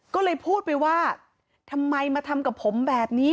ก็เลยพูดไปว่าทำไมมาทำกับผมแบบนี้